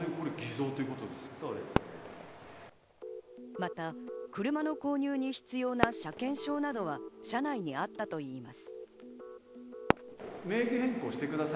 また車の購入に必要な車検証などは車内にあったといいます。